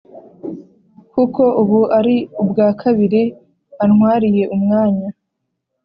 kuko ubu ari ubwa kabiri antwariye umwanya